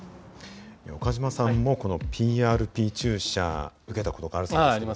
岡島さんもこのＰＲＰ注射受けたことがあるそうですけど。